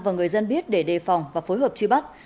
và người dân biết để đề phòng và phối hợp truy bắt